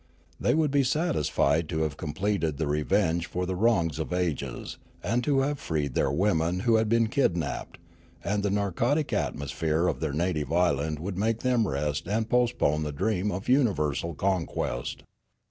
They would be satisfied to have completed the revenge for the wrongs of ages, and to have freed their women who had been kid napped, and the narcotic atmosphere of their native island would make them rest and postpone the dream of universal conquest.